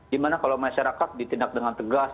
gimana kalau masyarakat ditindak dengan tegas